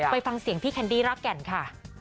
ไปฟังเสียงพี่แคนดี้รากแก่นค่ะ